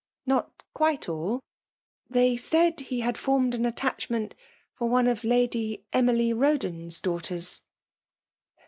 "^ Not quite all. They said he had formed an attacknettt for one of Lady Emily Boden^a daughters."